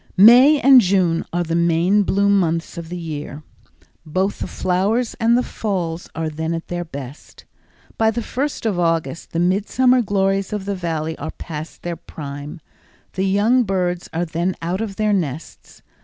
May and June are the main bloom months of the year. Both the flowers and falls are then at their best. By the first of August the midsummer glories of the Valley are past their prime. The young birds are then out of their nests.